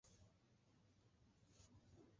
ndaipórinte avei mama